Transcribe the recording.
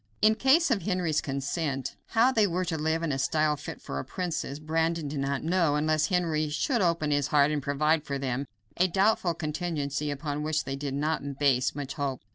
In case of Henry's consent, how they were to live in a style fit for a princess, Brandon did not know, unless Henry should open his heart and provide for them a doubtful contingency upon which they did not base much hope.